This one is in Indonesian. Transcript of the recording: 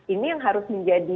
ini yang harus menjadi